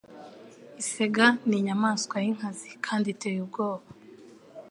isega n'inyamanswa yinkazi kandi iteye ubwoba